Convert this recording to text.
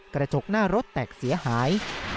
กระจกหน้ารถแตกเสียหาย